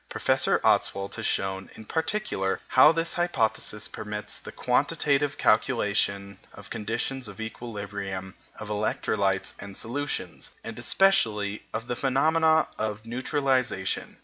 Professor Ostwald has shown, in particular, how this hypothesis permits the quantitative calculation of the conditions of equilibrium of electrolytes and solutions, and especially of the phenomena of neutralization.